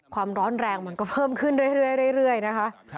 ความร้อนแรงมันก็เพิ่มขึ้นเรื่อยนะคะ